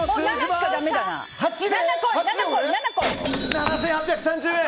７８３０円！